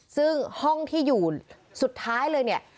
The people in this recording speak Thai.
ซึ่งห้องที่อยู่สุดท้ายเลยเนี่ย